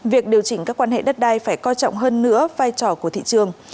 việc điều chỉnh các quan hệ đất đai phải coi trọng hơn nữa vai trò của thị trường